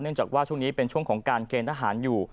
จากว่าช่วงนี้เป็นช่วงของการเกณฑ์ทหารอยู่